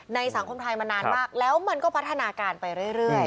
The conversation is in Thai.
สังคมไทยมานานมากแล้วมันก็พัฒนาการไปเรื่อย